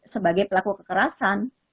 sebagai pelaku kekerasan